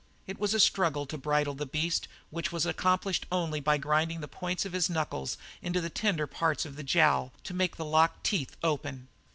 It was a struggle to bridle the beast, which was accomplished only by grinding the points of his knuckles into a tender part of the jowl to make the locked teeth open.